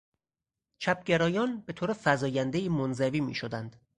چپ گرایان به طور فزایندهای منزوی میشدند.